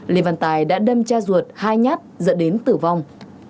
lê văn tài đã đâm cha ruột hai nhát dẫn đến tử vong